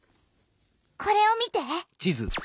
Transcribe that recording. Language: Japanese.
これを見て！